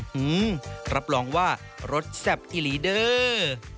หื้อหือรับรองว่ารสแซ่บที่ลีเดอร์